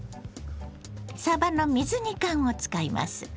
さばの水煮缶を使います。